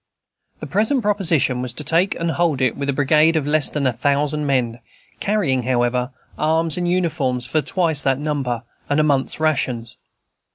The present proposition was to take and hold it with a brigade of less than a thousand men, carrying, however, arms and uniforms for twice that number, and a month's rations.